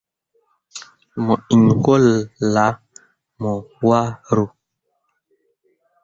Mo iŋ gwulle ah mo waro.